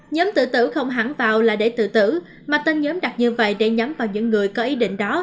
nhóm tự tử không hẳn vào là để tự tử mà tên nhóm đặt như vậy để nhắm vào những người có ý định đó